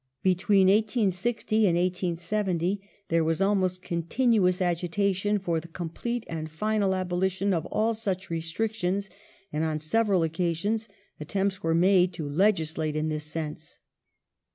Between 1860 and 1870 there was almost continuous agitation for the complete and final abolition of all such restrictions, and on several occasions attempts were made to legislate in this sense.